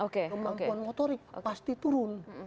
kemampuan motorik pasti turun